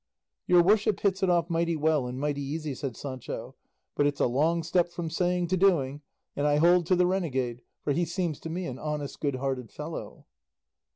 "Your worship hits it off mighty well and mighty easy," said Sancho; "but 'it's a long step from saying to doing;' and I hold to the renegade, for he seems to me an honest good hearted fellow."